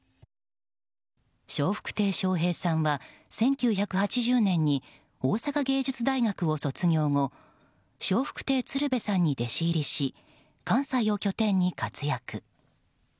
笑福亭笑瓶さんは１９８０年に大阪芸術大学を卒業後笑福亭鶴瓶さんに弟子入りし関西を拠点に活躍。